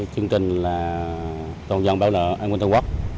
chương trình là tổng dân bảo lợi an nguyên tư quốc